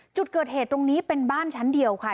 จุดเกิดเหตุตรงนี้เป็นบ้านชั้นเดียวค่ะ